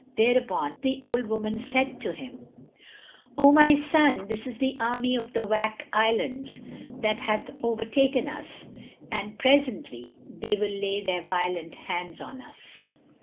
Thereupon the old woman said to him, "O my son, this is the army of the Wak Islands, that hath overtaken us; and presently they will lay violent hands on us."